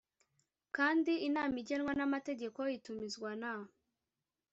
kandi inama igenwa n amategeko itumizwa na